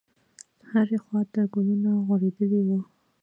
هرې خواته ګلونه غوړېدلي وو.